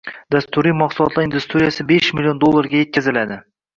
Dasturiy mahsulotlar industriyasi besh million dollarga yetkaziladi.